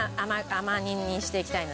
甘煮にしていきたいので。